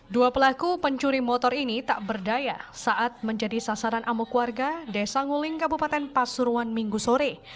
dua pelaku pencuri motor ini tak berdaya saat menjadi sasaran amuk warga desa nguling kabupaten pasuruan minggu sore